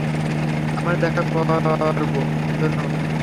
আমরা দেখা করব ধন্যবাদ।